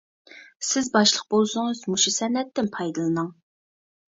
سىز باشلىق بولسىڭىز مۇشۇ سەنئەتتىن پايدىلىنىڭ!